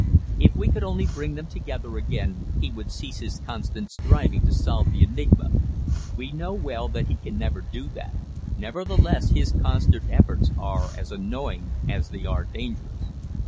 "If we could only bring them together again he would cease his constant striving to solve the enigma. We know well that he can never do that; nevertheless his constant efforts are as annoying as they are dangerous."